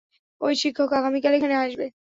ওই শিক্ষক আগামীকাল এখানে আসবে।